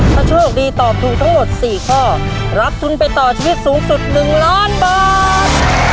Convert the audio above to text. ถ้าโชคดีตอบถูกทั้งหมด๔ข้อรับทุนไปต่อชีวิตสูงสุด๑ล้านบาท